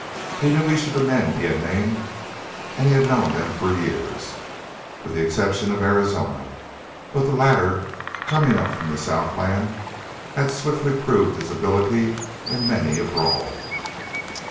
He knew each of the men he had named, and he had known them for years, with the exception of Arizona. But the latter, coming up from the southland, had swiftly proved his ability in many a brawl.